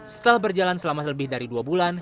setelah berjalan selama lebih dari dua bulan